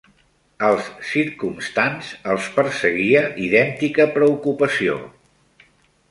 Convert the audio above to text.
Als circumstants els perseguia idèntica preocupació